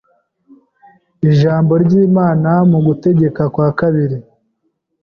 ijambo ry’Imana mu gutegeka kwa kabiri